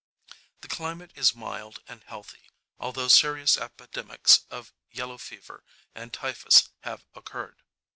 The climate is mild and healthy, although serious epidemics of yellow fever and typhus have occurred.